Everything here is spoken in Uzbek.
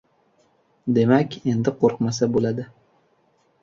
Demak, endi qo‘rqmasa bo‘ladi.